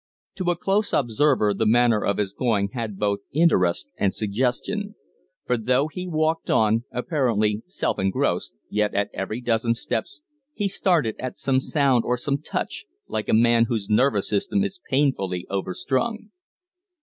To a close observer the manner of his going had both interest and suggestion; for though he walked on, apparently self engrossed, yet at every dozen steps he started at some sound or some touch, like a man whose nervous system is painfully overstrung.